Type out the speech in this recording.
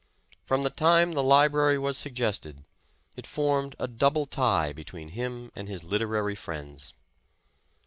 From the time the library was suggested, it formed a double tie be tween him and his literary friends.